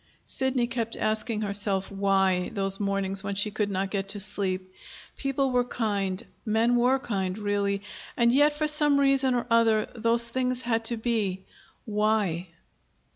Sidney kept asking herself, "Why?" those mornings when she could not get to sleep. People were kind men were kind, really, and yet, for some reason or other, those things had to be. Why?